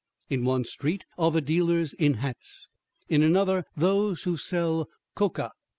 In one street are the dealers in hats; in another those who sell coca.